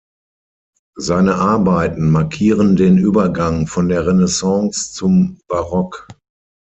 Seine Arbeiten markieren den Übergang von der Renaissance zum Barock.